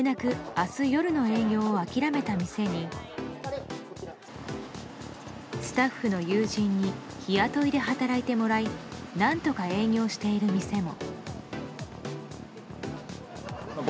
明日夜の営業を諦めた店にスタッフの友人に日雇いで働いてもらい何とか営業している店も。